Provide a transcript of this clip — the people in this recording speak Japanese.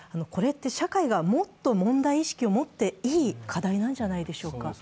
これって社会がもっと問題意識を持っていい課題なんじゃないでしょうか。